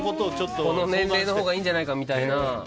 この年齢のほうがいいじゃないかとか。